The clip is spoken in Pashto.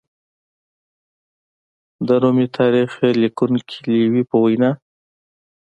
د رومي تاریخ لیکونکي لېوي په وینا